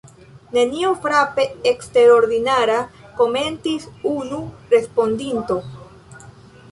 Nenio frape eksterordinara, komentis unu respondinto.